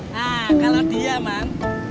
nah kalo dia man